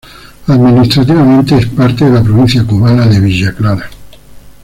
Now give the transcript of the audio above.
Administrativamente es parte de la provincia cubana de Villa Clara.